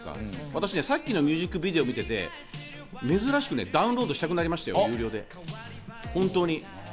さっきのミュージックビデオを見ていて珍しくダウンロードしたくなりましたよ、家で、本当に。